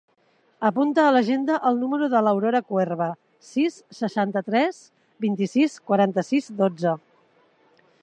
Apunta a l'agenda el número de l'Aurora Cuerva: sis, seixanta-tres, vint-i-sis, quaranta-sis, dotze.